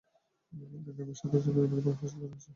আগামী এক সপ্তাহের জন্য রুমের ভাড়া পরিশোধ করা আছে।